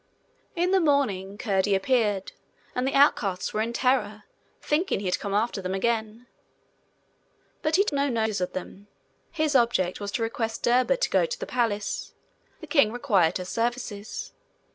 In the morning Curdie appeared, and the outcasts were in terror, thinking he had come after them again. But he took no notice of them: his object was to request Derba to go to the palace: the king required her services.